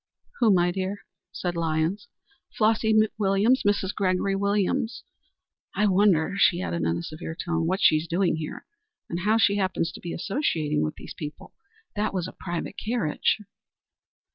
"Who, my dear?" said Lyons. "Flossy Williams Mrs. Gregory Williams. I wonder," she added, in a severe tone, "what she is doing here, and how she happens to be associating with these people. That was a private carriage."